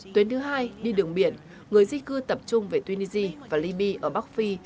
tuyến thứ hai đi đường biển người di cư tập trung về tunisia và libya ở bắc phi